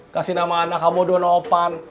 kasih nama anak kamu donopan